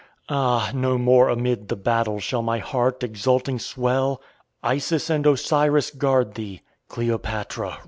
Ah! no more amid the battle Shall my heart exulting swell Isis and Osiris guard thee Cleopatra!